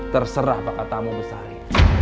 terserah pakat kamu besari